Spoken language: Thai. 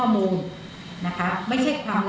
สิ่งค่อนข้างลุ้นในวิจัยสนวนแด่เหมือนฮ่ะ